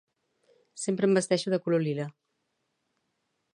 Sempre em vesteixo de color lila